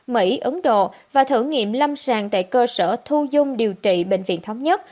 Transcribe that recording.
mỹ ấn độ và thử nghiệm lâm sàng tại cơ sở thu dung điều trị bệnh viện thống nhất